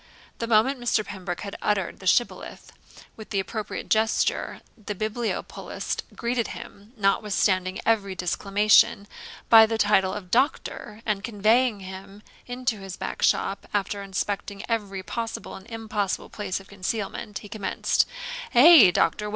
The moment Mr. Pembroke had uttered the Shibboleth, with the appropriate gesture, the bibliopolist greeted him, notwithstanding every disclamation, by the title of Doctor, and conveying him into his back shop, after inspecting every possible and impossible place of concealment, he commenced: 'Eh, Doctor!